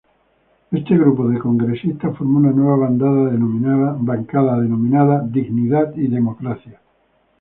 Este grupo de congresistas formó una nueva bancada denominada "Dignidad y Democracia".